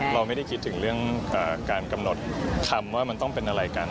เราไม่ได้คิดถึงเรื่องการกำหนดคำว่ามันต้องเป็นอะไรกัน